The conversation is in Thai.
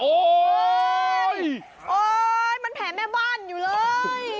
โอ๊ยมันแผ่แม่บ้านอยู่เลย